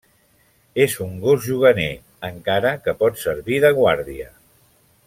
És un gos juganer, encara que pot servir de guàrdia.